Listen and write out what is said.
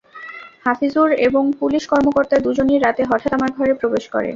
হাফিজুর এবং পুলিশ কর্মকর্তা দুজনই রাতে হঠাৎ আমার ঘরে প্রবেশ করে।